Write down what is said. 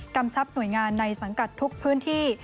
กำชับหน่วยงานในสังกัดทุกพื้นที่